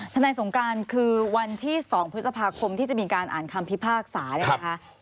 นายสงการคือวันที่๒พฤษภาคมที่จะมีการอ่านคำพิพากษาเนี่ยนะคะ